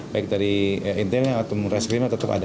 baik dari intelnya atau reskrimnya tetap ada